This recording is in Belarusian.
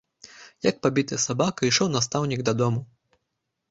Як пабіты сабака, ішоў настаўнік дадому.